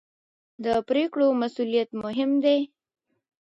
د پرېکړو مسوولیت مهم دی